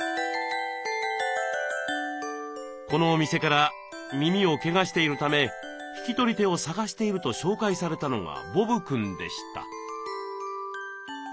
このお店から耳をけがしているため引き取り手を探していると紹介されたのがボブくんでした。